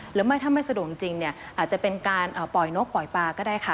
หรือไม่ถ้าไม่สะดวกจริงเนี่ยอาจจะเป็นการปล่อยนกปล่อยปลาก็ได้ค่ะ